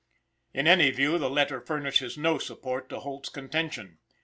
In any view, the letter furnishes no support to Holt's contention.